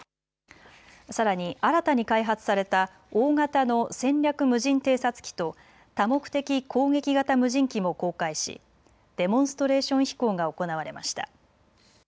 さらに新たに開発された大型の戦略無人偵察機と多目的攻撃型無人機も公開しデモンストレーション飛行が行われました。